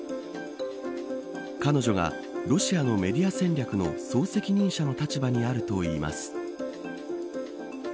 彼女がロシアのメディア戦略の総責任者の立場にあるといいます。